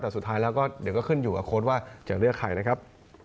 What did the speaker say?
แต่สุดท้ายแล้วก็เดี๋ยวก็ขึ้นอยู่กับโค้ดว่าจะเลือกใครนะครับ